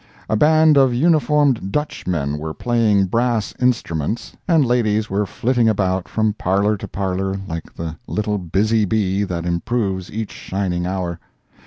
A band of uniformed Dutchmen were playing brass instruments, and ladies were flitting about from parlor to parlor like the little busy bee that improves each shining hour.